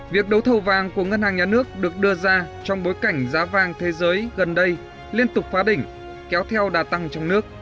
việc đấu thầu vàng của ngân hàng nhà nước được đưa ra trong bối cảnh giá vàng thế giới gần đây liên tục phá đỉnh kéo theo đà tăng trong nước